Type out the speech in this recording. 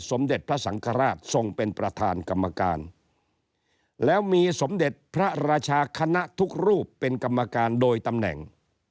สมเด็จพระสังฆราชทรงเป็นประธานกรรมการแล้วมีสมเด็จพระราชาคณะทุกรูปเป็นกรรมการโดยตำแหน่ง